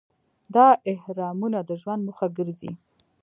دا اهرامونه د ژوند موخه ګرځي.